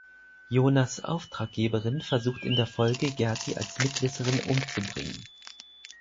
Jonas’ Auftraggeberin versucht in der Folge Gerti als Mitwisserin umzubringen.